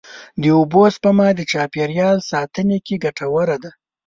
د اوبو سپما د چاپېریال ساتنې کې ګټوره ده.